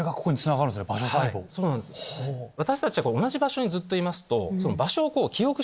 私たちは同じ場所にずっといますと。